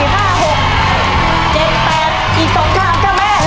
๔ทางแล้วใช่๑๒๓๔๕๖๗๘อีก๒ทางก็แม่